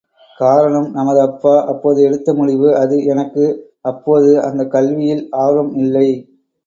காரணம் நமது அப்பா அப்போது எடுத்த முடிவு அது எனக்கு அப்போது அந்தக் கல்வியில் ஆர்வம் இல்லை.